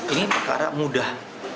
ini perkara mudah